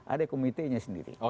ada komitenya sendiri